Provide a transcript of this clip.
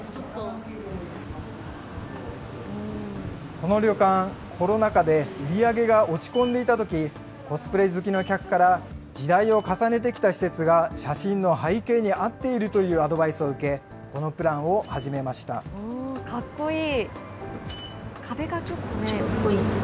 この旅館、コロナ禍で売り上げが落ち込んでいたとき、コスプレ好きな客から、時代を重ねてきた施設が写真の背景に合っているというアドバイスかっこいい。